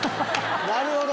なるほど！